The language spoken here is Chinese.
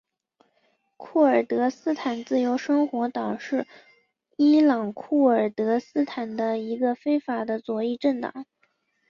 库尔德斯坦自由生活党是伊朗库尔德斯坦的一个非法的左翼政党。